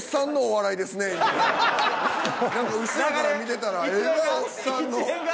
何か後ろから見てたらえらいおっさんの。